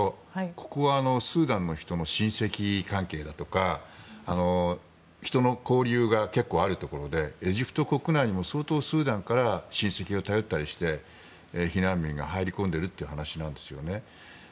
ここはスーダンの人の親戚関係だとか人の交流が結構あるところでエジプト国内にも相当、スーダンから親戚に頼ったりして避難民が入り込んでいるという話なんですよね。